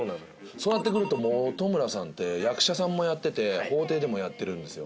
そうなってくると本村さんって役者さんもやってて法廷でもやってるんですよ。